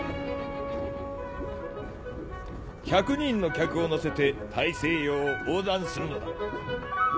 １００人の客を乗せて大西洋を横断するのだ。